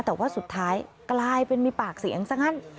แต่ว่าสุดท้ายกลายเป็นมีปากเสียงซะงั้น